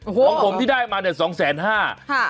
ของผมที่ได้มาเนี่ยสองแสนห้า